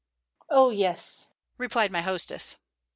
"Oh yes," replied my hostess.